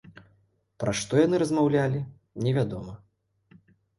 Пра што яны размаўлялі, невядома.